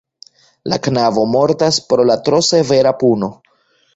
La knabo mortas pro la tro severa puno.